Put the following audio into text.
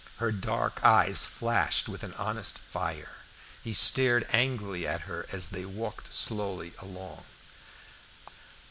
Her dark eyes flashed with an honest fire, He stared angrily at her as they walked slowly along.